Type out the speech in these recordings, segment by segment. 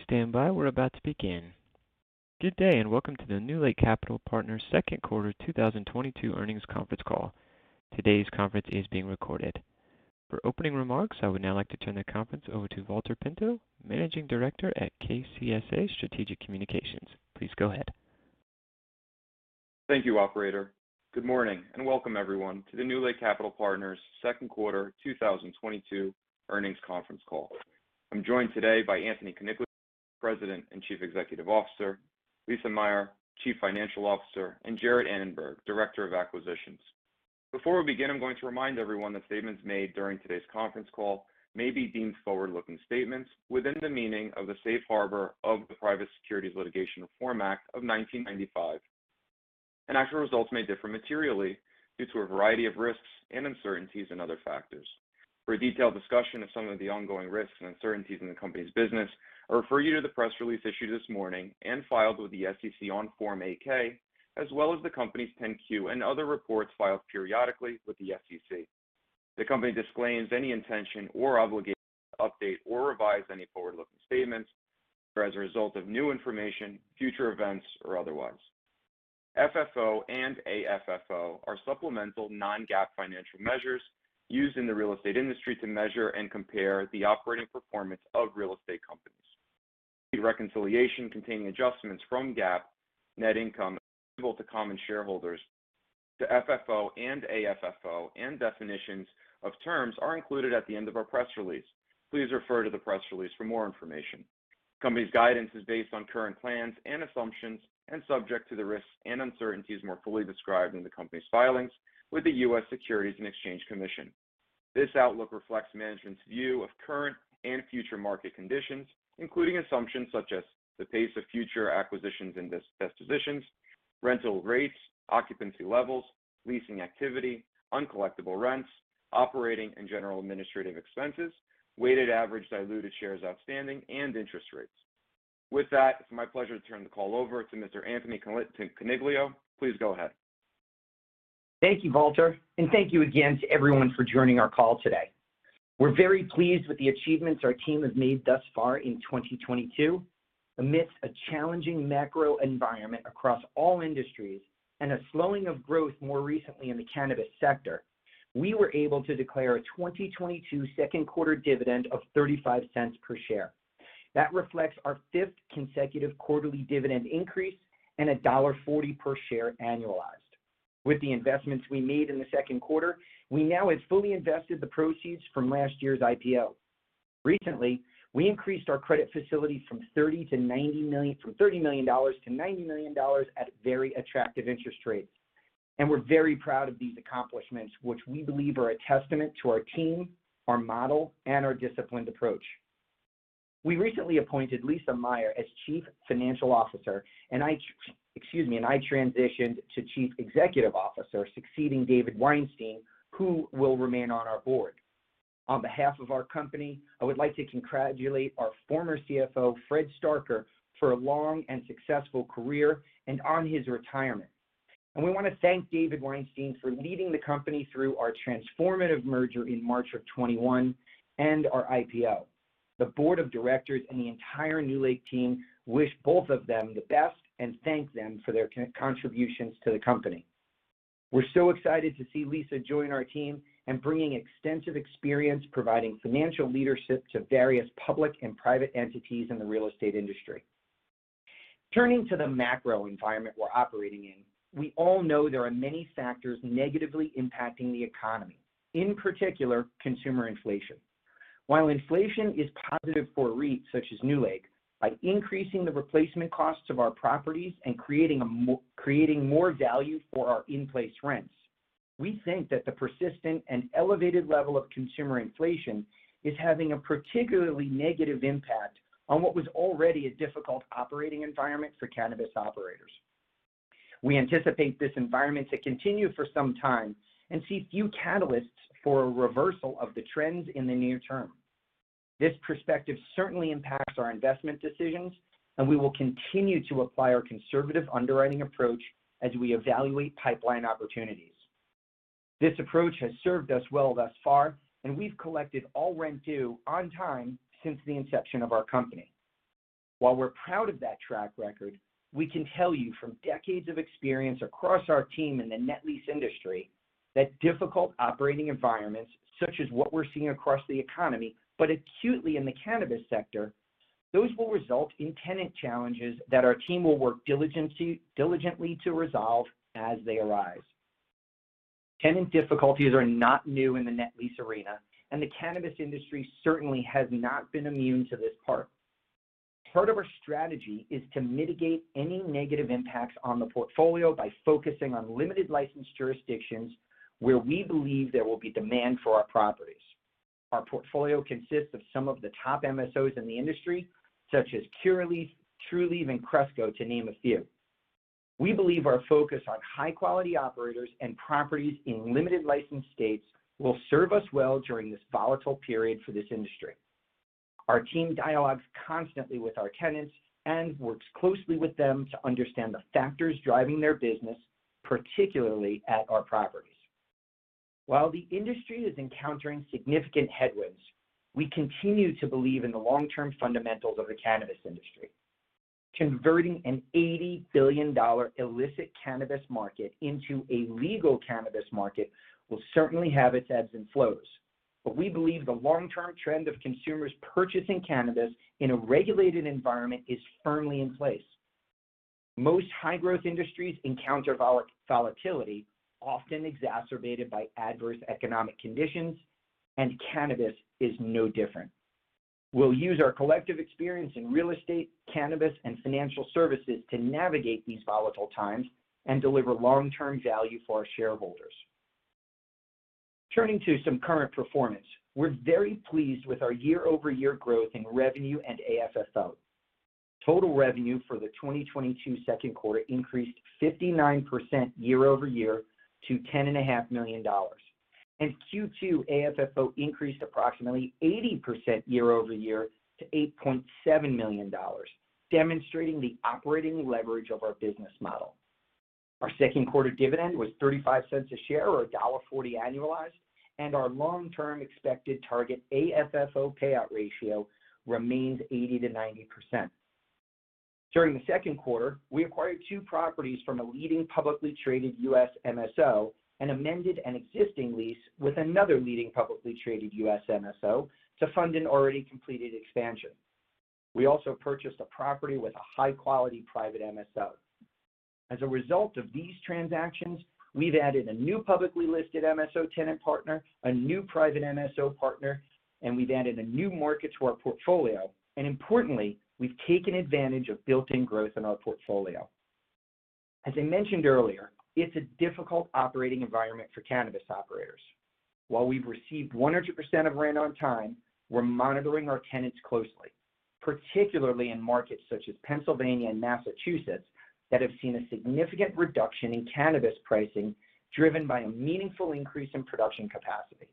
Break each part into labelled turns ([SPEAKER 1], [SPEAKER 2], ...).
[SPEAKER 1] Please stand by. We're about to begin. Good day, and welcome to the NewLake Capital Partners Second Quarter 2022 Earnings Conference Call. Today's conference is being recorded. For opening remarks, I would now like to turn the conference over to Valter Pinto, Managing Director at KCSA Strategic Communications. Please go ahead.
[SPEAKER 2] Thank you, operator. Good morning, and welcome everyone to the NewLake Capital Partners second quarter 2022 earnings conference call. I'm joined today by Anthony Coniglio, President and Chief Executive Officer, Lisa Meyer, Chief Financial Officer, and Jarrett Annenberg, Director of Acquisitions. Before we begin, I'm going to remind everyone that statements made during today's conference call may be deemed forward-looking statements within the meaning of the safe harbor of the Private Securities Litigation Reform Act of 1995, and actual results may differ materially due to a variety of risks and uncertainties and other factors. For a detailed discussion of some of the ongoing risks and uncertainties in the company's business, I refer you to the press release issued this morning and filed with the SEC on Form 8-K, as well as the company's 10-Q and other reports filed periodically with the SEC. The company disclaims any intention or obligation to update or revise any forward-looking statements as a result of new information, future events, or otherwise. FFO and AFFO are supplemental non-GAAP financial measures used in the real estate industry to measure and compare the operating performance of real estate companies. The reconciliation containing adjustments from GAAP net income available to common shareholders to FFO and AFFO and definitions of terms are included at the end of our press release. Please refer to the press release for more information. Company's guidance is based on current plans and assumptions and subject to the risks and uncertainties more fully described in the company's filings with the U.S. Securities and Exchange Commission. This outlook reflects management's view of current and future market conditions, including assumptions such as the pace of future acquisitions and dispositions, rental rates, occupancy levels, leasing activity, uncollectible rents, operating and general administrative expenses, weighted average diluted shares outstanding, and interest rates. With that, it's my pleasure to turn the call over to Mr. Anthony Coniglio. Please go ahead.
[SPEAKER 3] Thank you, Valter. Thank you again to everyone for joining our call today. We're very pleased with the achievements our team has made thus far in 2022. Amidst a challenging macro environment across all industries and a slowing of growth more recently in the cannabis sector, we were able to declare a 2022 second quarter dividend of $0.35 per share. That reflects our fifth consecutive quarterly dividend increase and a $1.40 per share annualized. With the investments we made in the second quarter, we now have fully invested the proceeds from last year's IPO. Recently, we increased our credit facility from $30 to $90 million, from $30 million to $90 million at very attractive interest rates. We're very proud of these accomplishments, which we believe are a testament to our team, our model, and our disciplined approach. We recently appointed Lisa Meyer as Chief Financial Officer, and I transitioned to Chief Executive Officer, succeeding David Weinstein, who will remain on our board. On behalf of our company, I would like to congratulate our former CFO, Fred Starker, for a long and successful career and on his retirement. We want to thank David Weinstein for leading the company through our transformative merger in March 2021 and our IPO. The board of directors and the entire NewLake team wish both of them the best and thank them for their contributions to the company. We're so excited to see Lisa join our team and bringing extensive experience providing financial leadership to various public and private entities in the real estate industry. Turning to the macro environment we're operating in, we all know there are many factors negatively impacting the economy, in particular consumer inflation. While inflation is positive for REITs such as NewLake, by increasing the replacement costs of our properties and creating more value for our in-place rents, we think that the persistent and elevated level of consumer inflation is having a particularly negative impact on what was already a difficult operating environment for cannabis operators. We anticipate this environment to continue for some time and see few catalysts for a reversal of the trends in the near term. This perspective certainly impacts our investment decisions, and we will continue to apply our conservative underwriting approach as we evaluate pipeline opportunities. This approach has served us well thus far, and we've collected all rent due on time since the inception of our company. While we're proud of that track record, we can tell you from decades of experience across our team in the net lease industry that difficult operating environments, such as what we're seeing across the economy, but acutely in the cannabis sector, those will result in tenant challenges that our team will work diligently to resolve as they arise. Tenant difficulties are not new in the net lease arena, and the cannabis industry certainly has not been immune to this part. Part of our strategy is to mitigate any negative impacts on the portfolio by focusing on limited licensed jurisdictions where we believe there will be demand for our properties. Our portfolio consists of some of the top MSOs in the industry, such as Curaleaf, Trulieve, and Cresco, to name a few. We believe our focus on high-quality operators and properties in limited license states will serve us well during this volatile period for this industry. Our team dialogues constantly with our tenants and works closely with them to understand the factors driving their business, particularly at our properties. While the industry is encountering significant headwinds, we continue to believe in the long-term fundamentals of the cannabis industry. Converting an $80 billion illicit cannabis market into a legal cannabis market will certainly have its ebbs and flows. We believe the long-term trend of consumers purchasing cannabis in a regulated environment is firmly in place. Most high-growth industries encounter volatility, often exacerbated by adverse economic conditions, and cannabis is no different. We'll use our collective experience in real estate, cannabis, and financial services to navigate these volatile times and deliver long-term value for our shareholders. Turning to some current performance. We're very pleased with our year-over-year growth in revenue and AFFO. Total revenue for the 2022 second quarter increased 59% year-over-year to $10.5 million. Q2 AFFO increased approximately 80% year-over-year to $8.7 million, demonstrating the operating leverage of our business model. Our second quarter dividend was $0.35 a share, or $1.40 annualized, and our long-term expected target AFFO payout ratio remains 80%-90%. During the second quarter, we acquired two properties from a leading publicly traded U.S. MSO and amended an existing lease with another leading publicly traded U.S. MSO to fund an already completed expansion. We also purchased a property with a high-quality private MSO. As a result of these transactions, we've added a new publicly listed MSO tenant partner, a new private MSO partner, and we've added a new market to our portfolio. Importantly, we've taken advantage of built-in growth in our portfolio. As I mentioned earlier, it's a difficult operating environment for cannabis operators. While we've received 100% of rent on time, we're monitoring our tenants closely, particularly in markets such as Pennsylvania and Massachusetts, that have seen a significant reduction in cannabis pricing, driven by a meaningful increase in production capacity.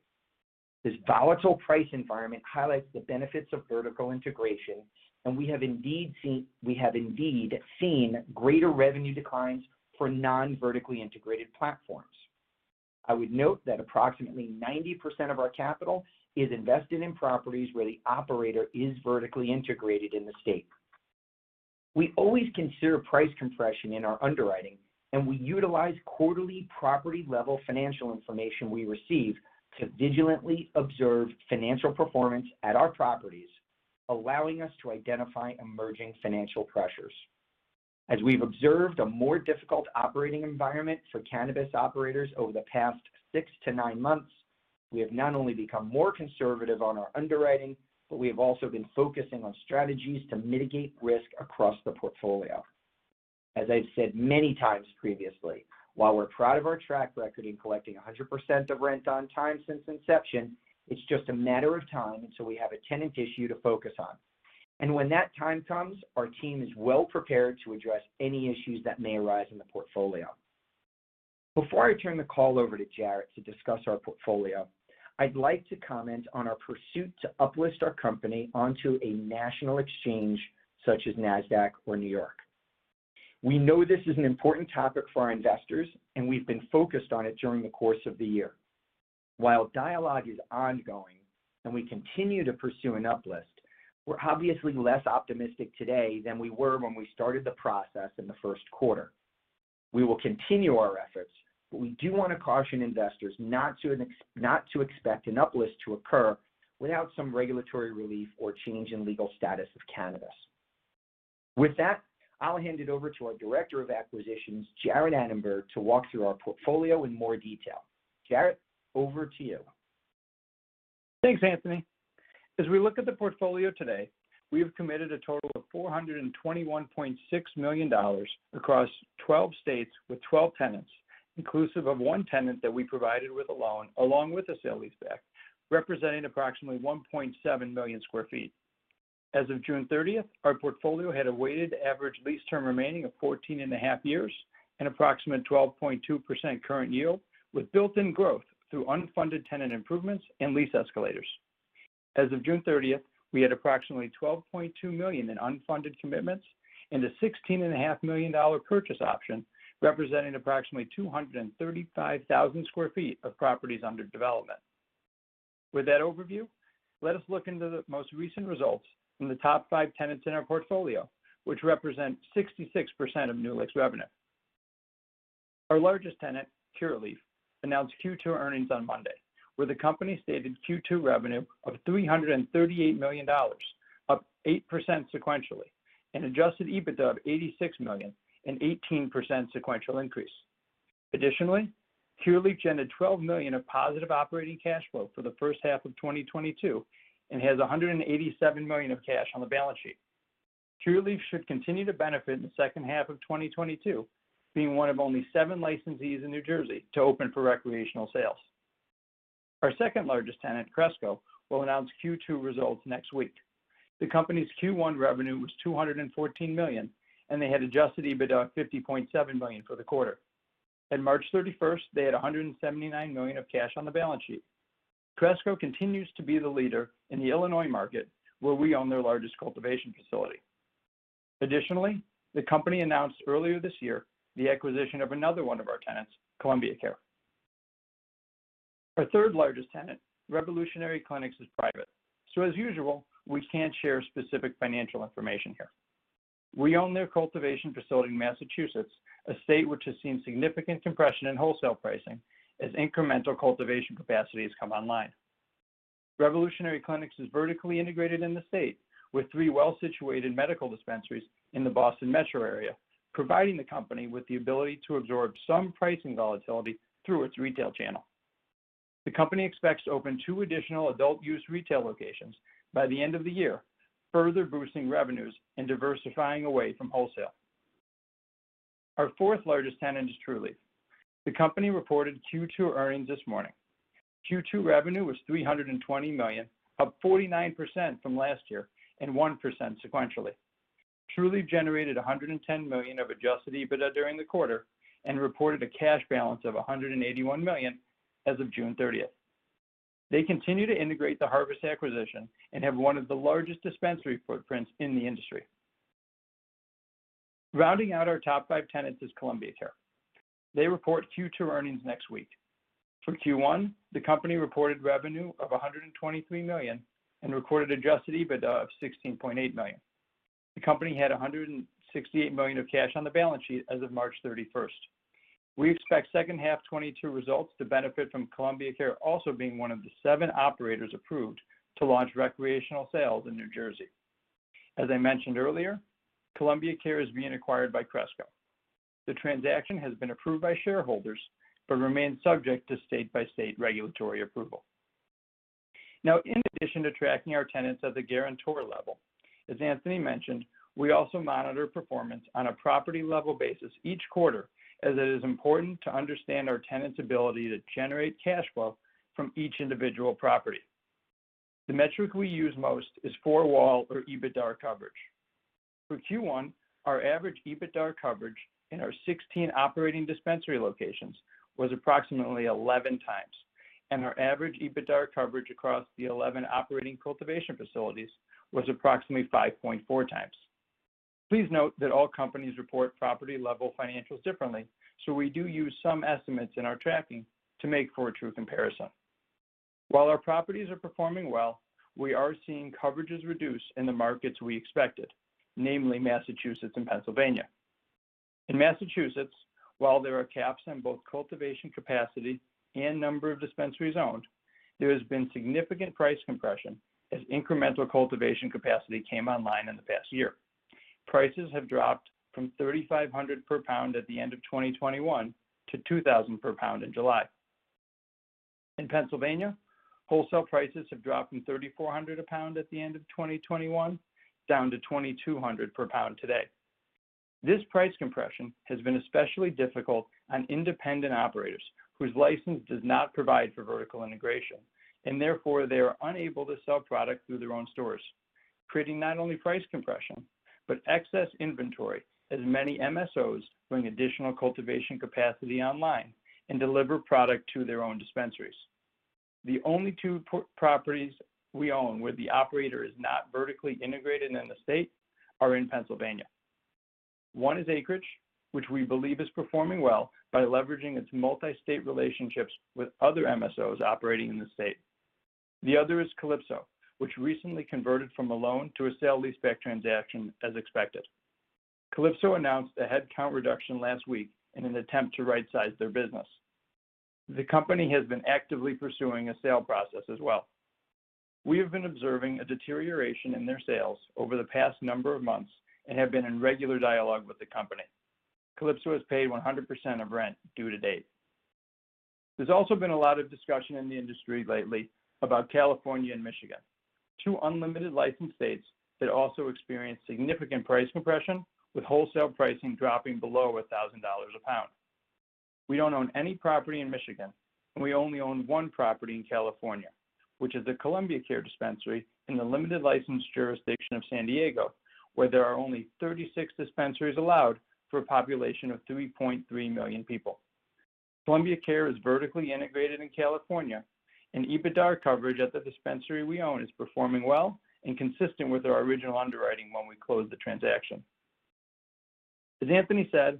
[SPEAKER 3] This volatile price environment highlights the benefits of vertical integration, and we have indeed seen greater revenue declines for non-vertically integrated platforms. I would note that approximately 90% of our capital is invested in properties where the operator is vertically integrated in the state. We always consider price compression in our underwriting, and we utilize quarterly property-level financial information we receive to vigilantly observe financial performance at our properties, allowing us to identify emerging financial pressures. As we've observed a more difficult operating environment for cannabis operators over the past six to nine months, we have not only become more conservative on our underwriting, but we have also been focusing on strategies to mitigate risk across the portfolio. As I've said many times previously, while we're proud of our track record in collecting 100% of rent on time since inception, it's just a matter of time until we have a tenant issue to focus on. When that time comes, our team is well prepared to address any issues that may arise in the portfolio. Before I turn the call over to Jarrett to discuss our portfolio, I'd like to comment on our pursuit to uplist our company onto a national exchange, such as Nasdaq or New York. We know this is an important topic for our investors, and we've been focused on it during the course of the year. While dialogue is ongoing and we continue to pursue an uplist, we're obviously less optimistic today than we were when we started the process in the first quarter. We will continue our efforts, but we do want to caution investors not to expect an uplist to occur without some regulatory relief or change in legal status of cannabis. With that, I'll hand it over to our Director of Acquisitions, Jarrett Annenberg, to walk through our portfolio in more detail. Jarrett, over to you.
[SPEAKER 4] Thanks, Anthony. As we look at the portfolio today, we have committed a total of $421.6 million across 12 states with 12 tenants, inclusive of one tenant that we provided with a loan along with a sale-leaseback, representing approximately 1.7 million sq ft. As of June 30, our portfolio had a weighted average lease term remaining of 14 and a half years and approximate 12.2% current yield, with built-in growth through unfunded tenant improvements and lease escalators. As of June 30, we had approximately $12.2 million in unfunded commitments and a $16.5 million purchase option, representing approximately 235,000 sq ft of properties under development. With that overview, let us look into the most recent results from the top five tenants in our portfolio, which represent 66% of NewLake's revenue. Our largest tenant, Curaleaf, announced Q2 earnings on Monday, where the company stated Q2 revenue of $338 million, up 8% sequentially, and adjusted EBITDA of $86 million, an 18% sequential increase. Additionally, Curaleaf generated $12 million of positive operating cash flow for the first half of 2022 and has $187 million of cash on the balance sheet. Curaleaf should continue to benefit in the second half of 2022, being one of only seven licensees in New Jersey to open for recreational sales. Our second-largest tenant, Cresco, will announce Q2 results next week. The company's Q1 revenue was $214 million, and they had adjusted EBITDA of $50.7 million for the quarter. At March 31st, they had $179 million of cash on the balance sheet. Cresco continues to be the leader in the Illinois market, where we own their largest cultivation facility. Additionally, the company announced earlier this year the acquisition of another one of our tenants, Columbia Care. Our third largest tenant, Revolutionary Clinics, is private. So as usual, we can't share specific financial information here. We own their cultivation facility in Massachusetts, a state which has seen significant compression in wholesale pricing as incremental cultivation capacity has come online. Revolutionary Clinics is vertically integrated in the state with three well-situated medical dispensaries in the Boston metro area, providing the company with the ability to absorb some pricing volatility through its retail channel. The company expects to open two additional adult use retail locations by the end of the year, further boosting revenues and diversifying away from wholesale. Our fourth largest tenant is Trulieve. The company reported Q2 earnings this morning. Q2 revenue was $320 million, up 49% from last year and 1% sequentially. Trulieve generated $110 million of adjusted EBITDA during the quarter and reported a cash balance of $181 million as of June 30. They continue to integrate the Harvest acquisition and have one of the largest dispensary footprints in the industry. Rounding out our top five tenants is Columbia Care. They report Q2 earnings next week. For Q1, the company reported revenue of $123 million and recorded adjusted EBITDA of $16.8 million. The company had $168 million of cash on the balance sheet as of March 31. We expect second half 2022 results to benefit from Columbia Care also being one of the seven operators approved to launch recreational sales in New Jersey. As I mentioned earlier, Columbia Care is being acquired by Cresco. The transaction has been approved by shareholders but remains subject to state-by-state regulatory approval. Now, in addition to tracking our tenants at the guarantor level, as Anthony mentioned, we also monitor performance on a property level basis each quarter, as it is important to understand our tenants' ability to generate cash flow from each individual property. The metric we use most is four-wall or EBITDAR coverage. For Q1, our average EBITDAR coverage in our 16 operating dispensary locations was approximately 11 times, and our average EBITDAR coverage across the 11 operating cultivation facilities was approximately 5.4 times. Please note that all companies report property-level financials differently, so we do use some estimates in our tracking to make for a true comparison. While our properties are performing well, we are seeing coverages reduce in the markets we expected, namely Massachusetts and Pennsylvania. In Massachusetts, while there are caps on both cultivation capacity and number of dispensaries owned, there has been significant price compression as incremental cultivation capacity came online in the past year. Prices have dropped from $3,500 per pound at the end of 2021 to $2,000 per pound in July. In Pennsylvania, wholesale prices have dropped from $3,400 a pound at the end of 2021 down to $2,200 per pound today. This price compression has been especially difficult on independent operators whose license does not provide for vertical integration and therefore they are unable to sell product through their own stores, creating not only price compression but excess inventory as many MSOs bring additional cultivation capacity online and deliver product to their own dispensaries. The only two properties we own where the operator is not vertically integrated in the state are in Pennsylvania. One is Acreage, which we believe is performing well by leveraging its multi-state relationships with other MSOs operating in the state. The other is Calypso, which recently converted from a loan to a sale-leaseback transaction as expected. Calypso announced a headcount reduction last week in an attempt to right-size their business. The company has been actively pursuing a sale process as well. We have been observing a deterioration in their sales over the past number of months and have been in regular dialogue with the company. Calypso has paid 100% of rent due to date. There's also been a lot of discussion in the industry lately about California and Michigan, two unlimited licensed states that also experienced significant price compression, with wholesale pricing dropping below $1,000 a pound. We don't own any property in Michigan, and we only own one property in California, which is the Columbia Care Dispensary in the limited licensed jurisdiction of San Diego, where there are only 36 dispensaries allowed for a population of 3.3 million people. Columbia Care is vertically integrated in California, and EBITDAR coverage at the dispensary we own is performing well and consistent with our original underwriting when we closed the transaction. As Anthony said,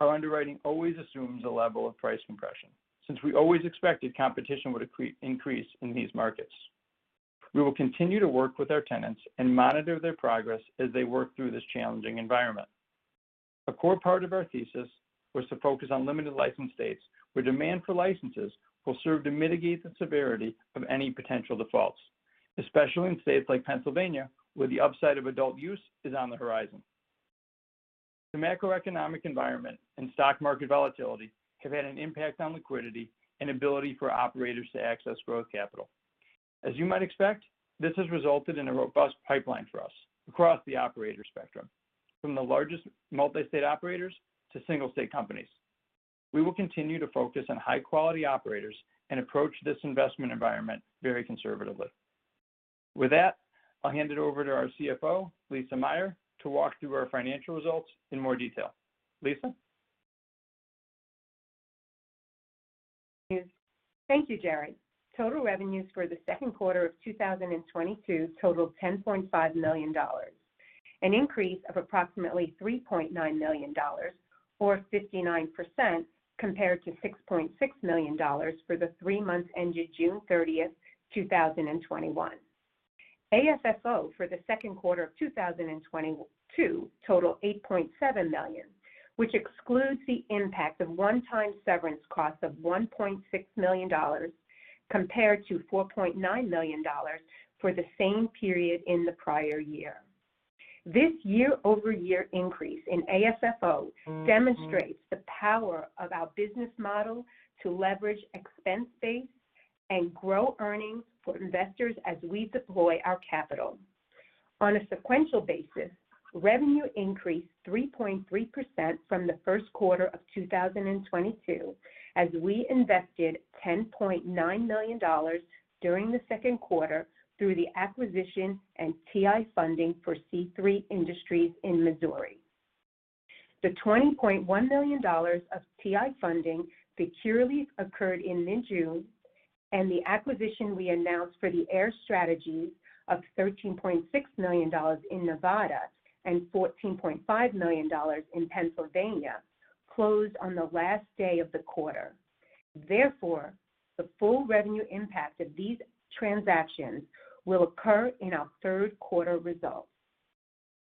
[SPEAKER 4] our underwriting always assumes a level of price compression since we always expected competition would increase in these markets. We will continue to work with our tenants and monitor their progress as they work through this challenging environment. A core part of our thesis was to focus on limited license states where demand for licenses will serve to mitigate the severity of any potential defaults, especially in states like Pennsylvania, where the upside of adult use is on the horizon. The macroeconomic environment and stock market volatility have had an impact on liquidity and ability for operators to access growth capital. As you might expect, this has resulted in a robust pipeline for us across the operator spectrum, from the largest multi-state operators to single state companies. We will continue to focus on high-quality operators and approach this investment environment very conservatively. With that, I'll hand it over to our CFO, Lisa Meyer, to walk through our financial results in more detail. Lisa?
[SPEAKER 5] Thank you, Jarrett. Total revenues for the second quarter of 2022 totaled $10.5 million, an increase of approximately $3.9 million or 59% compared to $6.6 million for the three months ended June 30, 2021. AFFO for the second quarter of 2022 total $8.7 million, which excludes the impact of one-time severance costs of $1.6 million compared to $4.9 million for the same period in the prior year. This year-over-year increase in AFFO demonstrates the power of our business model to leverage expense base and grow earnings for investors as we deploy our capital. On a sequential basis, revenue increased 3.3% from the first quarter of 2022 as we invested $10.9 million during the second quarter through the acquisition and TI funding for C3 Industries in Missouri. The $20.1 million of TI funding which occurred in mid-June, and the acquisition we announced for the Ayr Strategies of $13.6 million in Nevada and $14.5 million in Pennsylvania closed on the last day of the quarter. Therefore, the full revenue impact of these transactions will occur in our third quarter results.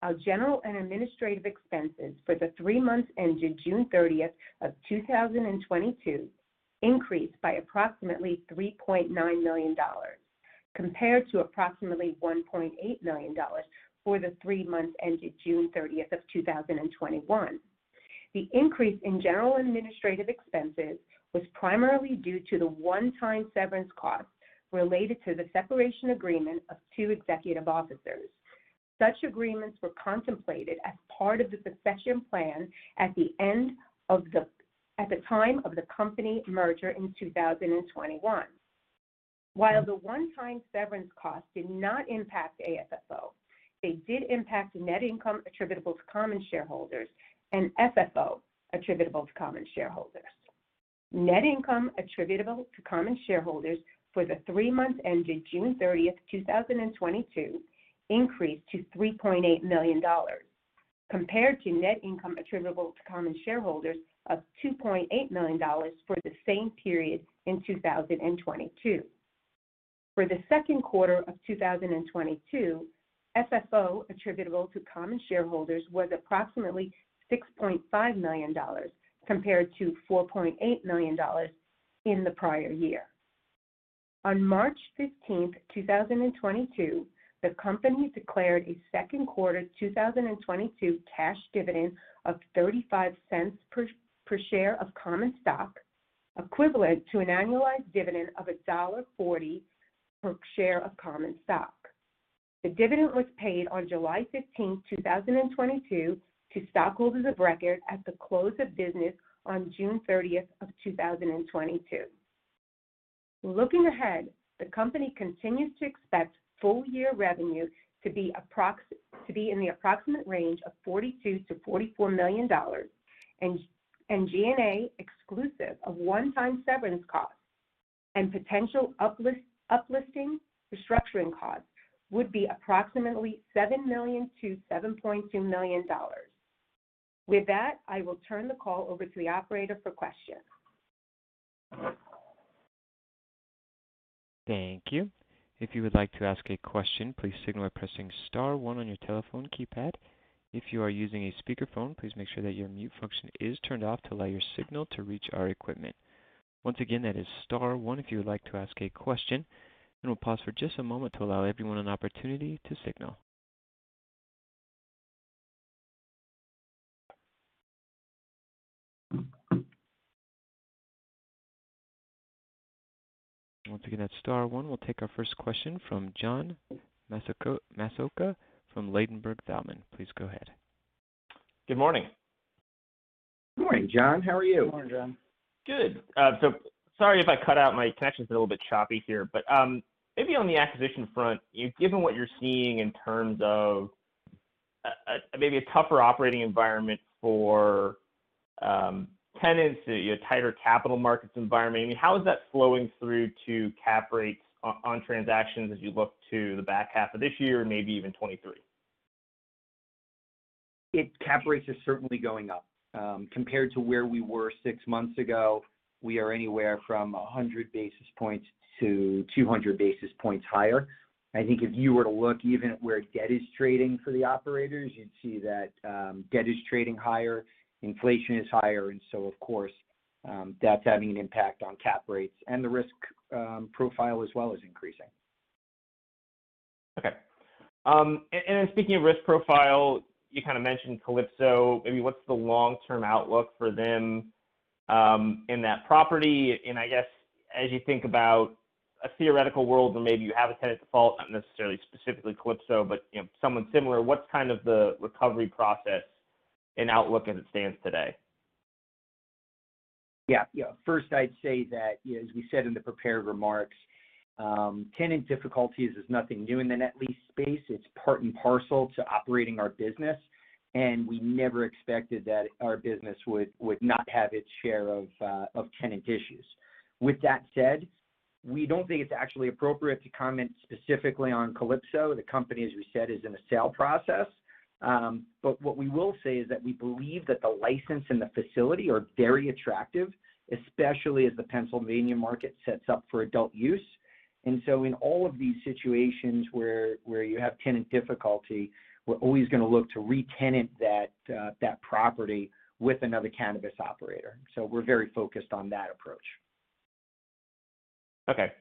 [SPEAKER 5] Our general and administrative expenses for the three months ended June 30, 2022 increased by approximately $3.9 million compared to approximately $1.8 million for the three months ended June 30, 2021. The increase in general and administrative expenses was primarily due to the one-time severance costs related to the separation agreement of two executive officers. Such agreements were contemplated as part of the succession plan at the time of the company merger in 2021. While the one-time severance cost did not impact AFFO, they did impact net income attributable to common shareholders and FFO attributable to common shareholders. Net income attributable to common shareholders for the three months ended June 30, 2022 increased to $3.8 million compared to net income attributable to common shareholders of $2.8 million for the same period in 2022. For the second quarter of 2022, FFO attributable to common shareholders was approximately $6.5 million compared to $4.8 million in the prior year. On March fifteenth, 2022, the company declared a second quarter 2022 cash dividend of $0.35 per share of common stock, equivalent to an annualized dividend of $1.40 per share of common stock. The dividend was paid on July fifteenth, 2022 to stockholders of record at the close of business on June thirtieth of 2022. Looking ahead, the company continues to expect full year revenue to be in the approximate range of $42 million-$44 million and G&A exclusive of one-time severance costs and potential uplifting restructuring costs would be approximately $7 million-$7.2 million. With that, I will turn the call over to the operator for questions.
[SPEAKER 1] Thank you. If you would like to ask a question, please signal by pressing star one on your telephone keypad. If you are using a speakerphone, please make sure that your mute function is turned off to allow your signal to reach our equipment. Once again, that is star one if you would like to ask a question, and we'll pause for just a moment to allow everyone an opportunity to signal. Once again, that's star one. We'll take our first question from John Massocca from Ladenburg Thalmann. Please go ahead.
[SPEAKER 6] Good morning.
[SPEAKER 5] Good morning, John. How are you?
[SPEAKER 3] Good morning, John.
[SPEAKER 6] Good. Sorry if I cut out. My connection's a little bit choppy here. Maybe on the acquisition front, given what you're seeing in terms of maybe a tougher operating environment for tenants, you know, tighter capital markets environment, I mean, how is that flowing through to cap rates on transactions as you look to the back half of this year and maybe even 2023?
[SPEAKER 3] Cap rates are certainly going up. Compared to where we were six months ago, we are anywhere from 100 basis points to 200 basis points higher. I think if you were to look even at where debt is trading for the operators, you'd see that, debt is trading higher, inflation is higher, of course, that's having an impact on cap rates and the risk profile as well is increasing.
[SPEAKER 6] Okay. And then speaking of risk profile, you kind of mentioned Calypso. Maybe what's the long-term outlook for them in that property? I guess as you think about a theoretical world where maybe you have a tenant default, not necessarily specifically Calypso, but you know, someone similar, what's kind of the recovery process and outlook as it stands today?
[SPEAKER 3] Yeah. Yeah. First, I'd say that, you know, as we said in the prepared remarks. Tenant difficulties is nothing new in the net lease space. It's part and parcel to operating our business, and we never expected that our business would not have its share of tenant issues. With that said, we don't think it's actually appropriate to comment specifically on Calypso. The company, as we said, is in a sale process. What we will say is that we believe that the license and the facility are very attractive, especially as the Pennsylvania market sets up for adult use. In all of these situations where you have tenant difficulty, we're always gonna look to re-tenant that property with another cannabis operator. We're very focused on that approach.
[SPEAKER 6] Okay.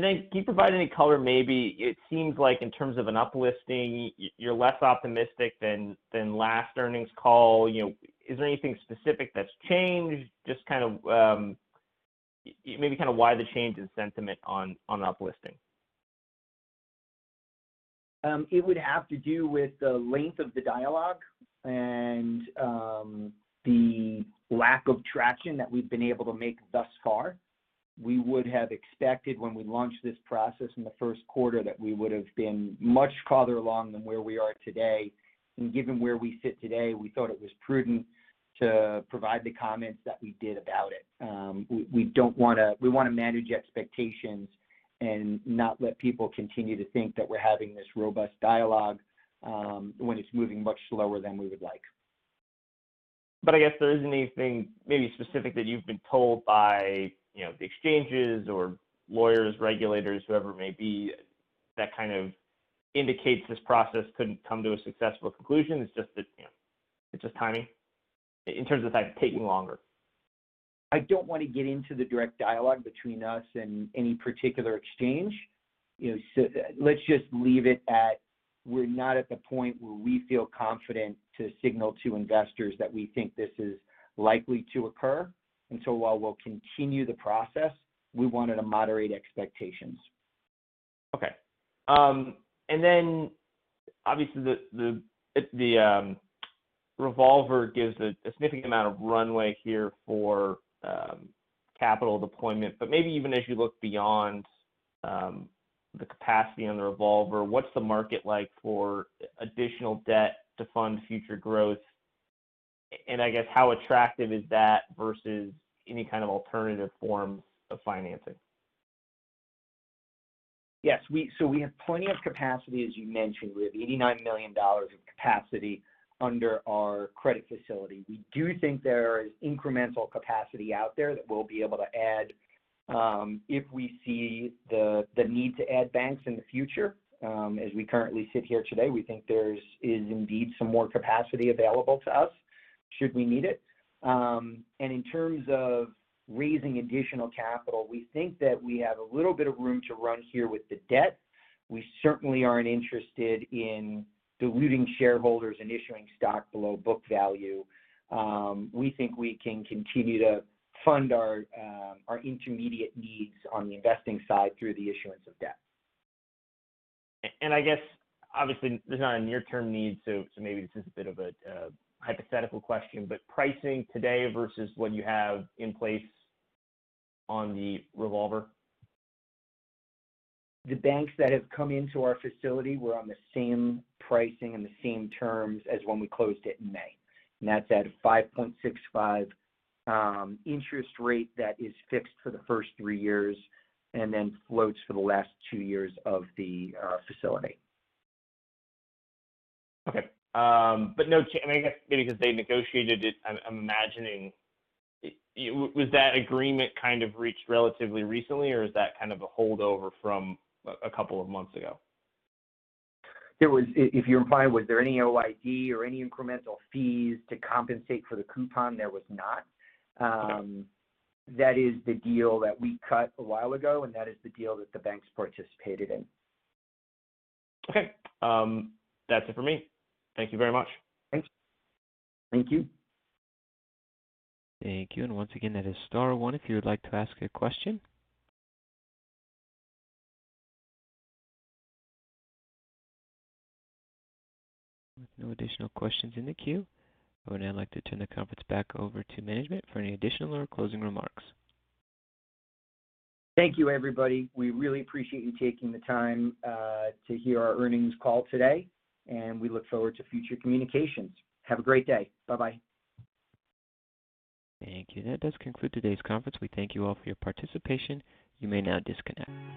[SPEAKER 6] Can you provide any color? Maybe it seems like in terms of an uplisting, you're less optimistic than last earnings call. You know, is there anything specific that's changed? Just kind of, maybe kind of why the change in sentiment on uplisting?
[SPEAKER 3] It would have to do with the length of the dialogue and the lack of traction that we've been able to make thus far. We would have expected when we launched this process in the first quarter that we would've been much farther along than where we are today. Given where we sit today, we thought it was prudent to provide the comments that we did about it. We wanna manage expectations and not let people continue to think that we're having this robust dialogue when it's moving much slower than we would like.
[SPEAKER 6] I guess there isn't anything maybe specific that you've been told by, you know, the exchanges or lawyers, regulators, whoever it may be, that kind of indicates this process couldn't come to a successful conclusion. It's just that, you know, it's just timing in terms of the fact it's taking longer.
[SPEAKER 3] I don't want to get into the direct dialogue between us and any particular exchange. You know, let's just leave it at, we're not at the point where we feel confident to signal to investors that we think this is likely to occur. While we'll continue the process, we wanted to moderate expectations.
[SPEAKER 6] Okay. Obviously the revolver gives a significant amount of runway here for capital deployment, but maybe even as you look beyond the capacity on the revolver, what's the market like for additional debt to fund future growth? I guess how attractive is that versus any kind of alternative forms of financing?
[SPEAKER 3] Yes. We have plenty of capacity. As you mentioned, we have $89 million of capacity under our credit facility. We do think there is incremental capacity out there that we'll be able to add, if we see the need to add banks in the future. As we currently sit here today, we think there is indeed some more capacity available to us should we need it. In terms of raising additional capital, we think that we have a little bit of room to run here with the debt. We certainly aren't interested in diluting shareholders and issuing stock below book value. We think we can continue to fund our intermediate needs on the investing side through the issuance of debt.
[SPEAKER 6] I guess obviously this is not a near-term need, so maybe this is a bit of a hypothetical question, but pricing today versus what you have in place on the revolver.
[SPEAKER 3] The banks that have come into our facility were on the same pricing and the same terms as when we closed it in May, and that's at a 5.65% interest rate that is fixed for the first three years and then floats for the last two years of the facility.
[SPEAKER 6] Okay. I mean, I guess maybe because they negotiated it, I'm imagining, was that agreement kind of reached relatively recently, or is that kind of a holdover from a couple of months ago?
[SPEAKER 3] If you're implying was there any OID or any incremental fees to compensate for the coupon, there was not. That is the deal that we cut a while ago, and that is the deal that the banks participated in.
[SPEAKER 6] Okay. That's it for me. Thank you very much.
[SPEAKER 3] Thanks. Thank you.
[SPEAKER 1] Thank you. Once again, that is star one if you would like to ask a question. With no additional questions in the queue, I would now like to turn the conference back over to management for any additional or closing remarks.
[SPEAKER 3] Thank you, everybody. We really appreciate you taking the time to hear our earnings call today, and we look forward to future communications. Have a great day. Bye-bye.
[SPEAKER 1] Thank you. That does conclude today's conference. We thank you all for your participation. You may now disconnect.